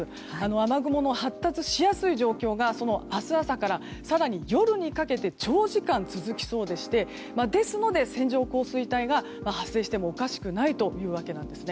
雨雲の発達しやすい状況が明日朝から更に夜にかけて長時間続きそうでしてですので線状降水帯が発生してもおかしくないわけです。